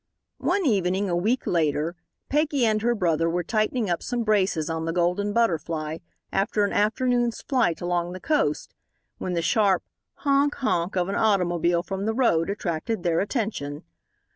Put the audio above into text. One evening, a week later, Peggy and her brother were tightening up some braces on the Golden Butterfly after an afternoon's flight along the coast, when the sharp "honk! honk!" of an automobile from the road attracted their attention.